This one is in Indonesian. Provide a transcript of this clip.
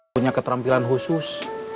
punya keterampilan khusus